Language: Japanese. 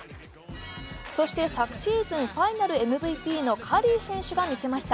そして、昨シーズンファイナルＭＶＰのカリー選手が見せました。